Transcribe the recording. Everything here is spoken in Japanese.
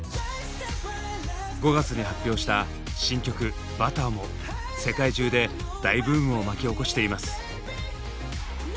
５月に発表した新曲「Ｂｕｔｔｅｒ」も世界中で大ブームを巻き起こしています。